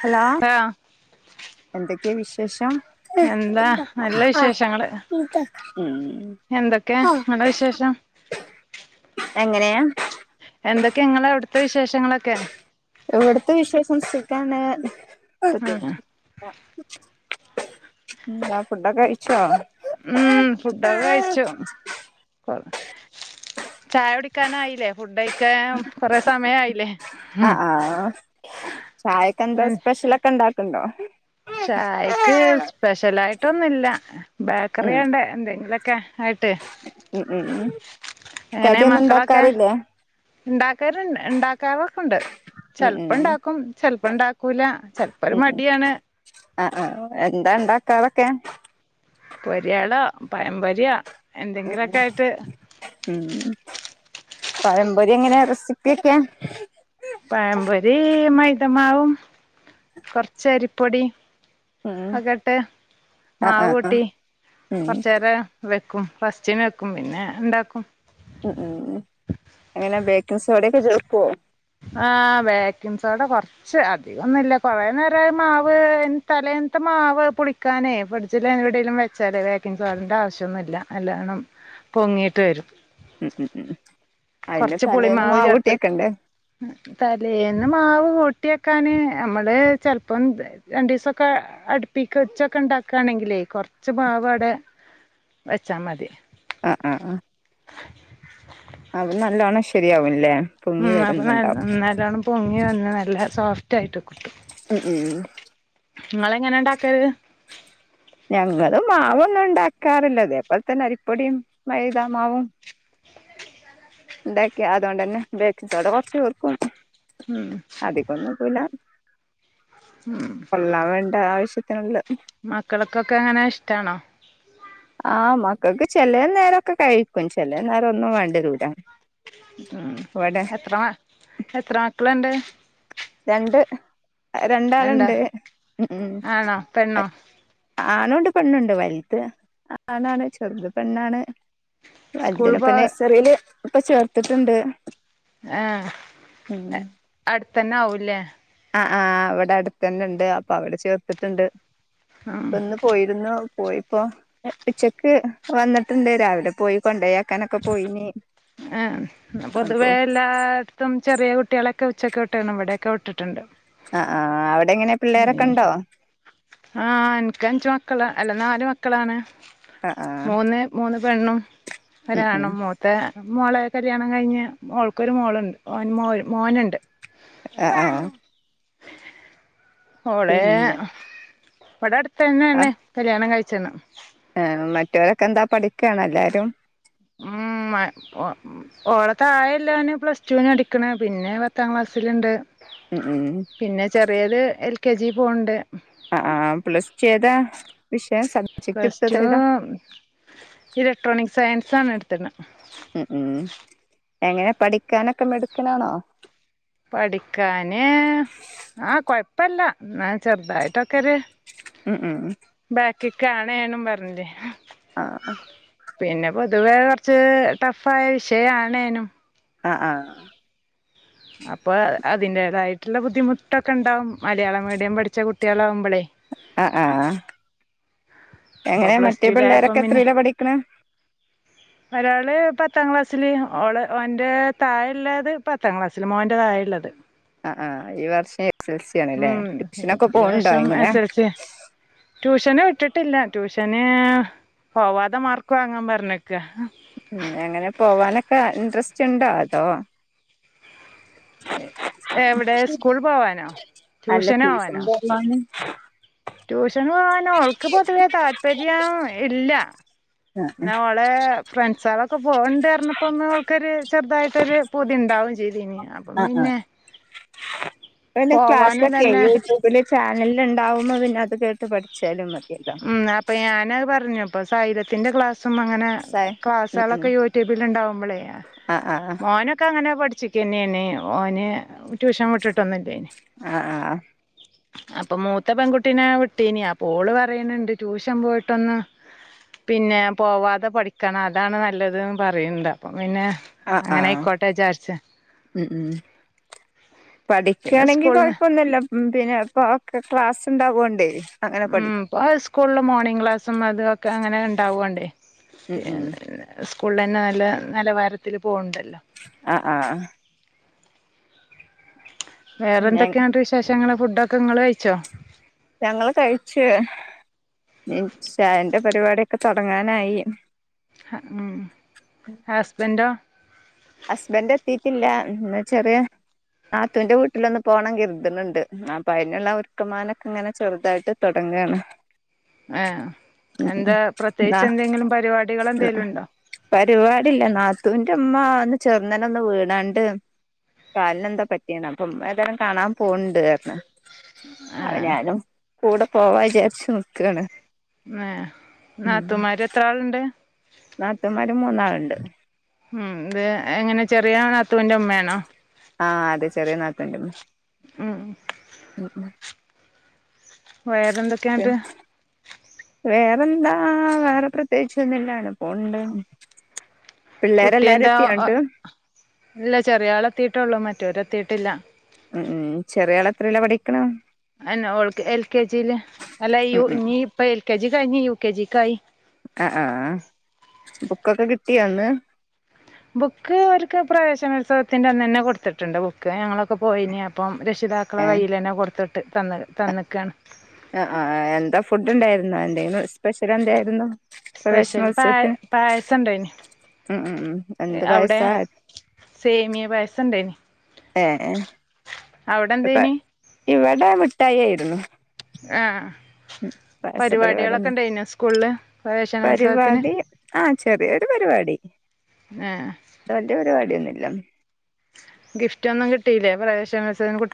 Hello ആഹ് എന്തൊക്കെയ വിഷേ എഷം എന്താ നല്ല വിശേഷങ്ങള് എന്തൊക്കെ നിങ്ങളെ വിശേഷം എങ്ങനെയാ എന്തൊക്കെ നിങ്ങള അവിടുത്തെ വിശേഷങ്ങളൊക്കെ ഇവിടത്തെ വിശേഷം സുഖാണ് ആഹ് എന്താ ഫുഡൊക്കെ കഴിച്ചോ ഉം ഫുഡൊക്കെ കഴിച്ചു ചായ കുടിക്കാനായില്ലേ ഫുഡയി ക്കെ കൊറെ സമയായില്ലേ ഉ ചായക്കെന്താ സ്പെഷ്യലക്കെ ഉണ്ട ണ്ടോ ചായക്ക് സ്പെഷ്യലയി ട്ടൊന്നുല്ല ബേക്കറിയുണ്ട എന്തെങ്കിലൊ ക ഉ ഉ കടിയൊന്നും ഉണ്ടാക്കാറില്ലേ ഉണ്ടാക്കല് ഉണ്ടാക്കാറൊക്കെ ഉണ്ട് ഉം ഉം ചെൽപ്പണ്ടാക്കും ചെൽപ്പം ഇണ്ടാക്കൂല ചെൽപ്പൊരു ഉം ഉം മടിയാണ് ആ ആ എന്താ ഉണ്ടാക്കാതൊക്കെ പൊരിയാളോ പഴമ്പൊരിയോ ഉം എന്തെങ്കിലൊക്കായിട്ട് പഴമ്പൊരിങ്ങനെ റെസിപ്പിയൊക്കെ പഴമ്പൊരി മൈതമാവും കൊറ്ച്ച അരിപ്പൊടി ഉം പ്പകെട്ട് ആ ആ ആ മാവൂട്ടി ഉം കൊറച്ചേരെ വെക്കും പസ്റ്റ്ന് വെക്കും പിന്നെ ഇണ്ടാക്കും ഉ ഉം എങ്ങനെ ബേക്കിൻ സോടൈക്കെ ചേർക്കോ ആ ബേക്കിൻ സോഡ കൊർച്ച് അധികൊന്നില്ല കുറേനേരായി മാവ് തലേന്നത്തെ മാവ് പുളിക്കാനേ ഫ്രിഡ്ജില് എവിടേലും വെച്ചാലേ വേക്കിൻസോഡന്റെ ആവശ്യന്നുല്ല നല്ലാണം പൊങ്ങീട്ട് വരും ഉം ഉം ഉ അയിന്റെ കൊറച്ച് തലേന്ന് പുളിമാവ് ചേർത്ത് മാവൂട്ടിയക്കണ്ടെ തലേന്ന് മാവ് കൂട്ടിക്കാന് നമ്മള് ചെൽപ്പം രണ്ടീസൊക്കെ അട്പ്പിക്ക് ച്ചെക്കെ ഉണ്ടാക്കണെങ്കിലേ കൊറച്ച് മാവ് അവിടെ വെച്ചാ മതി ആഹ് ആഹ് ആഹ് അത് നല്ലോണം ശരിയാവും ല്ലേ ഉം അപ്പൊ നല്ല നല്ലോണ്ണം പൊങ്ങി വന്ന് നല്ല സോഫ്റ്റ് ആയിട്ട് ഉ ഉം ങ്ങളെങ്ങനെ ഇണ്ടാക്കല് ഞങ്ങളും മാവൊന്നും ഉണ്ടാക്കാറില്ല ഇതേപോലെത്തന്നെ അരിപ്പൊടിയും മൈതാമാവും ഇണ്ടാക്കി അതോണ്ടന്നെ ബേക്കിങ് സോഡ കൊർച്ച് ചേർക്കും ഉം അതിപ്പന്നുടൂല കൊല്ലാവേണ്ട ശ്യത്തിന്ള്ളെ മക്കൾക്കൊക്കെ അങ്ങനെ ഇഷ്ടാണോ ആഹ് മക്കൾക്ക് ചെലേ നേരൊക്കെ കഴിക്കും ചെലേ നേരം ഒന്നും വണ്ടരൂല ഉം എത്ര എത്ര മക്കളുണ്ട് രണ്ട് രണ്ടോ രണ്ടാള്ണ്ട് ഉം ആണോ പെണ്ണോ ആണുണ്ട് പെണ്ണു വല്ത് ആണാണ് ചെറുത് പെണ്ണാണ് സ്കൂൾ വല്തിനപ്പ പോ നെയ്സറീല് ഇപ്പൊ ചേർത്തിട്ട്ണ്ട് ആഹ് അട് ത്തന്നാവൂല്ലേ ആ ആ ഇവിടെ അടുത്തന്നെ ഉണ്ട് അപ്പൊ അവിടെ ചേർത്തിട്ടുണ്ട് ഉം പ്പന്ന് പോയിരുന്നു പോയിപ്പോ ഉച്ചക്ക് വന്നിട്ടുണ്ട് രാവിലെ പോയി കൊണ്ടയാക്കാനൊക്കെ പോയിനി ആ അപ്പൊ പൊതുവേ എല്ലായിടത്തും ചെറിയ കുട്ടികള ഒക്കെ ഉച്ചക്കെട്ടേണം ഇവിടെയക്കെട്ടിട്ടുണ്ട് ആ് അവി എടെ എങ്ങനെ പിള്ളേരൊക്കെ ഉണ്ടോ ആഹ എനിക്ക് അഞ്ച്ു മക്കൾ അല്ല നാല് മക്കളാണ് ആഹ് ആഹ് മൂന്ന് മൂന്ന് വെണ്ണണം ഉം ഉം ഒരാാണ് മൂത്ത മോള കല്യാണം കഴിഞ്ഞഞ് മോൾക്കൊരു മോളുണ്ട്ോ മോനുണ്ട് ആഏ ആ ഓളെ പടാ തന്നെ തന്നെ കല്യാണം കഴിച്ചു ച്ചന ആ മറ്റവരൊക്കെ എന്താ പഠിക്കയാണ് എല്ലാരും ഉ ഓളത്ത ആായല്ലാന് പ്ലസ് ടുന് അടിക്കണ പിന്നെ പത്താം ക്ലാസ്സിലുണ്ട് ഉം ഉം പിന്നെ ചെറിയത് കെ ജി പോണ്ട് ആ ആ പ്ലസ് ചെയ്താ പ്ലസ് ടു ഇലക്ട്രോണിക് സയൻസ് സാനഡ് എട്ട്ന ഉം ഉം എങ്ങനെ പഠിക്കാനൊക്കെ മെടുക്കനാണോ പഠിക്കാന് ആ കൊഴപ്പല്ല എന്ന ചെറുതായിട്ടൊക്കെര് ഉം ഉം ക്ക് കാണാനും പറഞ്ഞില്ലേ ആ പിന്നെ പൊതുവേ കുറച്ച് ടഫായ വിഷയണേനും ആ ആ അപ്പൊ അതിന്റേതായിട്ടുള്ള ബുദ്ധിമുട്ടൊക്കെ ഉണ്ടാവും മലയാള മീഡിയം പഠിച്ച കുട്ടികളാവുമ്പോളേ ആ ആ ഇപ്പൊ എങ്ങനെയാ പ്ലസ് മറ്റേ പിള്ളേരൊക്കെ ടുലായപ്പം പിന്നെ എത്രയിലോ പഠിക്കണേ ത്താം ക്ലാസ്സില് ഓള് ഓന്റെ താഴ ഉള്ളള്ളത് പത്താം ക്ലാസ്സില് മോന്റെ താഴെ ഉള്ളത് ആ ആഹ്ഈ വർഷം എസ് എൽ സി ആണ് ല്ലേ ഉം ട്യൂഷനൊക്കെ ഈ പോന്നു ണ്ടോ വർഷം എങ്ങനെയാ എസ് എൽ സി ട്യൂഷന് വിട്ട് ട്ടില്ല ട്യൂഷന് പോവാതെ മാർക് വാങ്ങാൻ പറഞ്ഞേക്ക ഉം അങ്ങനെ പോവാനൊക്കെ ഇൻട്രസ്റ്റ് ഉണ്ടോ അതോ എവിടെ സ്കൂൾ പോവാനോ അല്ല ട്യൂഷന് ട്യൂഷൻ പോവാനോ [inaudible] ട്യൂഷൻ പോവാന ഓൾക്ക് പൊതുവേ താല്പര്യം ഇല്ല ആ പിന്ന അവളെ ഫ്രണ്ട്സളൊക്കെ പോവണ്ട് പറഞ്ഞപ്പൊ അവൾക്കൊരു ചെറുതായിട്ടൊരു പൂതിയുണ്ട ണ്ടാവൂഏ ചെയ്തീനി ആ ആ ഇപ്പ പിന്നെ ക്ലാസ് പോവാനും ഒക്കെ തന്നെ യൂട്യൂബില് ചാനൽല് ഉണ്ടാവുമോ പിന്നെ അത് കേട്ട് പഠിച്ചാലും മതി ഉം അപ്പൊ ഞാന പറഞ്ഞ അപ്പ സയിരത്തിന്റെ ക്ലാസ് സും അങ്ങനെ സായ ഉം ഉം ക്ലാസ്സുകളൊക്കെ യൂട്യൂബിൽ ഉണ്ടാവുമ്പോളേ ആ ആ മോനൊക്കെ അങ്ങനെ പഠി ഒറ്റക്കെന്യാണ് ഓന് ട്യൂഷൻ വിട്ടിട്ടൊന്നും ഇല്ലായിന് ആ ആ അപ്പൊ മൂത്ത പെൺകുട്ടീനെ വിട്ടീന അപ്പോള് പറയണണ്ട് ട്യൂഷൻ പോയിട്ടൊന്ന് പിന്നെ പോവാതെ പഠിക്കണം അതാണ് നല്ലത് ന് പറയുന്നുണ്ട് അപ്പൊ ആ ആഹ് ഉം ഉം പിന്നെ പഠിക്കയാണെങ്കിൽ സ്കൂളിന് കുഴപ്പൊന്നുല്ല ഉം പിന്നെപ്പൊക്കെ ക്ലാസ് ഉണ്ടാവോണ്ടേ അങ്ങനെ ഉം പഠിക്കും ഇ സ്കൂളിൽ മോർണിംഗ് ക്ലാസ്സും അതൊക്കെ അങ്ങനെ ഉണ്ടാവണ്ട് ഉം ഉം [unintelligible] കൂള് തന്നെ നല്ല നിലവാരത്തിൽ പോകുന്നുണ്ട് ആ ആ വേറെ പിന്നെ എന്തൊക്കെയാണ്ട് വിശേഷങ്ങള് ഫുഡൊക്കെ നിങ്ങള് കഴിച്ചോ? ഞങ്ങള് കഴിച്ചു, ഇനി ചായേൻ്റെ പരിപാടിയൊക്കെ തൊടങ്ങാനായി. ഉം ഹസ്ബൻഡോ ഹസ്ബൻഡ് എത്തീട്ടില്ല പിന്നെ ചെറിയ നാത്തൂന്റെ വീട്ടിലൊന്ന് പോണം കരുതുന്നുണ്ട് അപ്പൊ അതിനുള്ള ഒരുക്കമാനൊക്കെ ഇങ്ങനെ ചെറുതായിട്ട് തുടങ്ങയാണ് ആ എന്താ പ്രത്യേകിച്ച് എന്തെങ്കിലും പരിപാടികൾ എന്തേലും ഉണ്ടോ ചെറുന്നന ഒന്ന് വീണാണ്ട് കാലിന് എന്താ പറ്റിയാണ് അപ്പം ഏതായാലും കാണാൻ പോണുണ്ട് പറഞ്ഞു ആഹ് അവനാലും കൂടെ പോവാ വിചാരിച്ചു നിക്കാണ്. ആഹ് ഉം നാത്തുമാര് എത്ര ആള്ണ്ട്? നാത്തൂന്മാര് മൂന്നാളുണ്ട് ഉം ഇത് എങ്ങനെ ചെറിയ നാത്തൂന്റെ ഉമ്മയാണോ? ആഹ് അതെ ചെറിയ നാത്തൂന്റെ ഉമ്മയാ ഉം ഉം ഉം വേറെ എന്തൊക്കെയുണ്ട് വേറെന്താ വേറെ പ്രത്യേകിച്ച് ഒന്നുമില്ല അങ്ങനെ പോണുണ്ട് കുട്ടി പിള്ളേരെല്ലാരും എന്താ എത്തിയാണ്ട് ഇല്ല ചെറിയ ആള് എത്തീട്ടേയുള്ളൂ മറ്റോര് എത്തീ ട്ടില്ല ഉം ഉം ചെറിയാള് എത്രയിലാ പഠിക്കണ അയിന് ഓൾക്ക് എൽ കെ ജില് അല്ല ഉം യു ഉം ഇനിയിപ്പോ എൽ കെ ജി കഴിഞ്ഞ് യു കെ ജിക്കായി ആ ആ ബുക്കൊക്കെ കിട്ടിയോ ഇന്ന് ബുക്ക് അവർക്ക് പ്രവേശനോത്സവത്തിന്റെ അന്ന് തന്നെ കൊടുത്തിട്ടുണ്ട് ബുക്ക് ഞങ്ങളൊക്കെ പോയിന് അപ്പം രക്ഷിതാക്കടെ ഏ കയ്യില് തന്നെ കൊടുത്തി ട്ട് തന്ന് തന്നേക്കാണ്. ആ ആ എന്താ ഫുഡ് ഉണ്ടായിരുന്നോ? എന്തെങ്കിലും സ്പെഷ്യൽ എന്തായിരുന്നു? സ്പെഷ്യൽ പാ പ്രവേശനോത്സവത്തിന് പായസം ഇണ്ടായിനി ഉം ഉം ഉം എന്ത് അവിടെ പായസാ സേമിയ പായസം ഇണ്ടായിനി ഏ ഏ അവിടെ ഇപ്പ എന്തേനി? ഇവിടെ മിഠായി ആയിരുന്നു. ആഹ് പായസ പരിപാടികളൊക്കെ പരിപാടിയന്നെ ഉണ്ടായിനോ സ്കൂളില് പ്രവേശനോത്സവത്തിന് പരിപാടി ആ ചെറിയ ഒരു പരിപാടിവല്യ ആഹ് പരിപാടിഒന്നു- ല്ല ഗിഫ്റ്റ് ഒന്നും കിട്ടില്ലേ പ്രാവേ ശനോത്സവന് കുട്ട്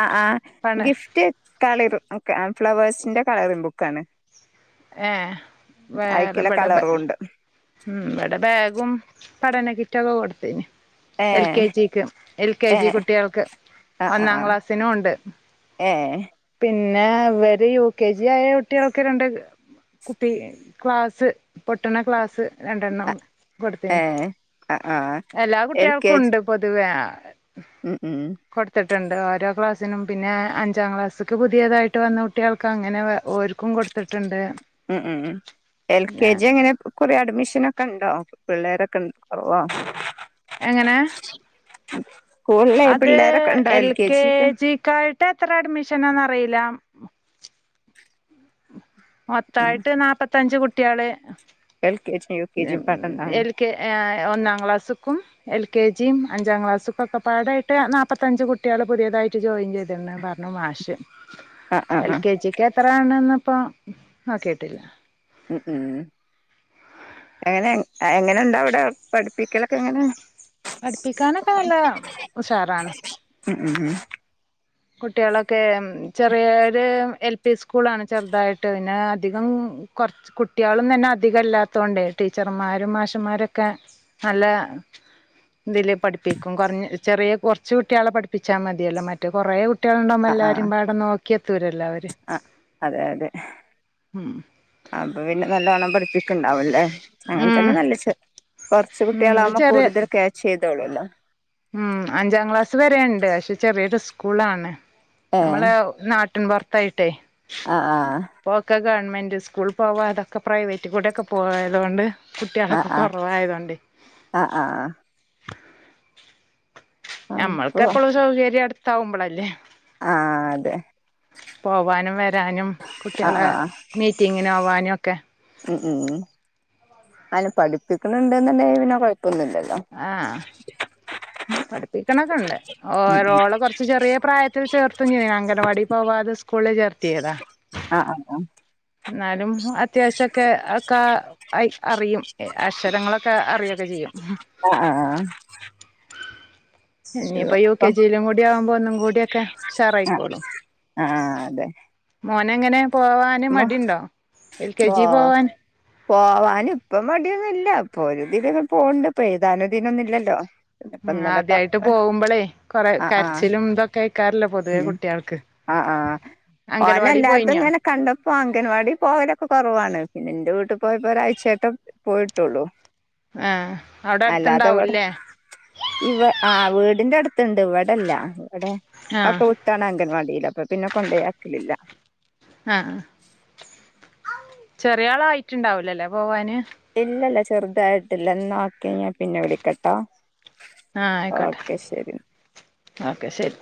ആഹ് ആഹ് ഗിഫ്റ്റ് കളിർ ക്ക ഫ്ലവേഴ്സിന്റെ കളറിംഗ് ബുക്കാണ്. ഏ അയിക്കില്ല വേറെബിടെ ബ കളറും ഉണ്ട് ഉം ഇവിടെ ബാഗും പഠന കിറ്റൊക്കെ കൊടുത്തിനിം ഏ എൽ കെ ജിക്ക് എൽ കെ ഏ ജി കുട്ടികൾക്ക് ആ ആ ആ ഒന്നാം ക്ലാസിനൂണ്ട്. ഏ പിന്നെ ഇവര് യു കെ ജി ആയ കുട്ടികൾക്ക് രണ്ട് കുപ്പി ക്ലാസ് പൊട്ട്ണ ക്ലാസ്സ്. രണ്ടെണ്ണം അ ഏ കൊടുത്തിന് ആ ആ എല്ലാ എൽ കെ കുട്ടികൾക്കും ജി ഉണ്ട് പൊതുവേ ഉം ഉം കൊടുത്തിട് ട്ടുണ്ട് ഓരോ ക്ലാസ്സിനും പിന്നെ അഞ്ചാം ക്ലാസ്സ്ക്ക് പുതിയതായിട്ട് വന്ന കുട്ടികൾക്ക് അങ്ങനെ ഓര്ക്കും കൊടുത്തിട്ടുണ്ട്. ഉം ഉം ഉം എൽ കെ പിന്നെ ജി എങ്ങനെ ഇക്കുറി അഡ്മിഷ് നൊക്കെ ഉണ്ടോ പിള്ളേരൊക്കെൺ ഓ എങ്ങനെ? സ്കൂളിലെ അത് പിള്ളേരൊക്കെ ഉണ്ടോ എൽ കെ ജിക്ക് ജിക്കായിട്ട് എത്ര അഡ്മിഷനാന്ന് അറിയി ല്ലാം ഉം മൊത്തായിട്ട് നാപ്പത്തഞ്ച് കുട് കുട്ടിയാള് എൽ കെ ജിയും യു കെ ജിയും എൽ പാടണ്ടാവല്ലേ കെ ഏ ഒന്നാം ക്ലാസ്സ്ക്കും എൽ കെ ജിയും അഞ്ചാം ക്ലാസ്സ്ക്കൊക്കെ പാടായിട്ട് നാപ്പത്തഞ്ച് കുട്ടികള് പുതിയതായിട്ട് ജോയിൻ ചെയ്തിണ് പറഞ്ഞു മാഷ് ആ ആ എൽ ആ കെ ജി ക്ക് എത്രാണന്നപ്പൊ ആ കേട്ടില്ല ഉ ഉം എങ്ങനെ എങ്ങനെുണ്ടാ അവിടെ പഠിപ്പിക്കലൊക്കെ എങ്ങനെ പഠിപ്പിക്കാനൊക്കെ നല്ല ഉഷാറാണ് ഉം ഉം ഉ കുട്ടികളൊക്കെ ചെറിയൊരു എൽ പി സ്കൂളാണ് ചെറുതായിട്ട് പിന്നെ അധികം കൊറച്ച് കുട്ടികളും തന്നെ അധികംല്ലാത്തോണ്ട് ടീച്ചർമാരും മാഷന്മാരൊക്കെ നല്ല ഇതില് പഠിപ്പിക്കും കൊ ചെറിയ കുറച്ച കുട്ടികളെ പഠിപ്പിച്ചാൽ മതിയല്ലോ മറ്റ കുറേ കുട്ട ആ് ആഹ അവര് ആ അതെ അതെ ഉം അപ്പൊ പിന്നെ നല്ലവണ്ണം പഠിപ്പിക്കണ്ടാവുംല്ലേ ഉം അങ്ങനത്തെന്നെ നല്ല കുറച്ച് ഉം ഇത് കുട്ടികളാവുമ്പോ ചെറിയ കൂടുതൽ ക്യാച്ച് ചെയ്ത് [unintelligible] ഉം അഞ്ചാം ക്ലാസ് വരേണ്ട് പക്ഷെ ചെറിയൊരു സ്കൂളാണ് ഏ നമ്മള് നാട്ടിൻപറ [unintelligible] ആ ആ ഗവൺമെൻറ് സ്കൂൾ പോവാ അതൊക്കെ പ്രൈവറ്റ് കൂടെയൊക്കെ പോവതോണ്ട് ആ കുട്ടികളൊക്കെ ആ കുറവായതോണ്ട് ആ ആ അപ്പൊ നമ്മൾക്ക് എപ്പോഴും സൗകര്യം അടു ത്താ കുമ്പളല്ലേ ആഹ് അതെ പോവാനും വരാനും ആഹ് കുട്ടികളെ ആഹ് മീറ്റിങ്ങിന് പോ വാനും ഒക്കെ ഉം ഉം അങ്ങനെ പഠിപ്പിക്കണണ്ട്ന്നണ്ടെ പിന്നെ കൊഴപ്പില്യ ആഹ് പഠിപ്പിക്കണം നുണ്ട് ഓ ഉം ഓള കൊറച്ച് ചെറിയ പ്രായത്തിൽ ചേർ [unintelligible] അംഗനവാടി പോവാതെ സ്കൂളിൽ ചേർത്തിയതാ ആഹ് ആഹ് ആഹ് എന്നാലും അത്യാവശ്യക്കെ ഒക്ക ആയി അറിയും അക്ഷരങ്ങളൊക്കെ അറിയൊക്കെ ചെയ്യും ആഹ് ആഹ് ഇനിയിപ്പ യു ആഹ് കെ ജി യിലും കൂടി ആവുമ്പോ ഒന്നും കൂടി ക്കെ ആഹ് ഉഷാറായിക്കോളും ആഹ് അതെ ഓന എങ്ങനെ [unintelligible] പോ ജി പോവാൻ പോവാൻ ഇപ്പ മടിയൊന്നുമില്ല ഇപ്പൊ ഒരു ദില് അങ്ങ് പോവണ്ട് ഇപ്പൊ ഏഴുതാനും ദിന് ഒന്നുമി ല്ലല്ലോ ഉം ആദ്യായിട്ട് പോകുമ്പോളേ കൊറെ ആഹ് ആഹ് കരച്ചിലും ഇതൊക്കെ ആയിക്കാറല്ലോ പൊതുവേ ഉം കുട്ടികൾക്ക് ആഹ് ആഹ് അംഗനവാടി പോയിന്യോ? ഇപ്പൊ അംഗൻവാടി പോവലൊക്കെ കുറവാണ് പിന്നെ ന്റെ വീട്ടിൽ പോയപ്പോ ഒരാഴ്ചാഴിട്ട പോയിട്ടുള്ളു ആഹ് അവിടെ അല്ലാതെവിടെ അടുത്തുണ്ടാവൂല്ലേ ഇ ആ വീടിന്റെ അടു ണ്ട് ഇവിടെല്ല അവിടെ ആഹ് ഒക്കെ വിട്ടാണ് അംഗൻവാടിൽ അപ്പ പിന്നെ കൊണ്ടയാക്കലില്ല ആഹ് ചെറിയാൾ ആയിട്ടുണ്ടാവലല്ലേ പോവാന് ഇല്ലല്ല ചെറുതായിട്ടില്ല എന്ന ഒക്കെ ഞാൻ പിന്നെ വിളിക്കട്ടോ ആഹ് ആയിക്കോട്ടെ ഓക്കെ ശരി ഓക്കെ ശരി